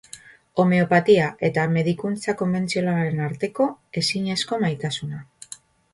Homeopatia eta medikuntza konbentzionalaren arteko ezinezko maitasuna.